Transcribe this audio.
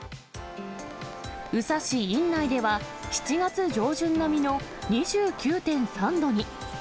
宇佐市院内では、７月上旬並みの２９．３度に。